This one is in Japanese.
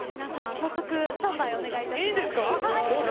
早速「スターマイン」お願いします。